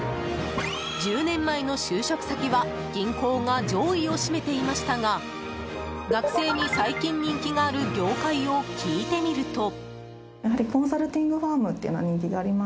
１０年前の就職先は銀行が上位を占めていましたが学生に最近、人気がある業界を聞いてみると。